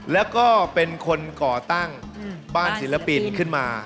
แล้วก็เป็นคนก่อตั้งบ้านศิลปินขึ้นมา